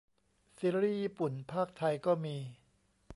ซีรีย์ญี่ปุ่นพากษ์ไทยก็มี